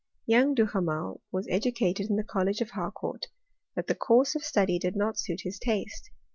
Young Duhamel was edacaled in the College of Haicourt ; but the course of study did not suit his taste.